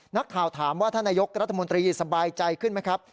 นักข่าวถามว่าท่านนายกรัฐมนตรีสบายใจขึ้นไหมครับ